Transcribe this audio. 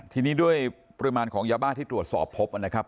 ทีนี้ด้วยปริมาณของยาบ้าที่ตรวจสอบพบนะครับ